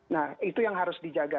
nah itu yang harus dijaga